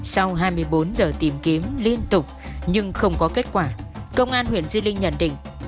sau hai mươi bốn giờ tìm kiếm liên tục nhưng không có kết quả công an huyện di linh nhận định